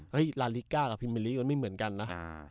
เฮ้ยลาลิก้ากับพิเมริกมันไม่เหมือนกันนะ